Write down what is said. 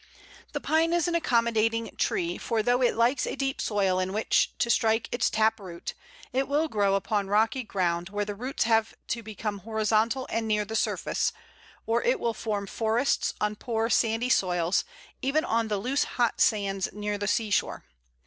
The Pine is an accommodating tree, for though it likes a deep soil in which to strike its tap root, it will grow upon rocky ground, where the roots have to become horizontal and near the surface; or it will form forests on poor sandy soils, even on the loose hot sands near the seashore.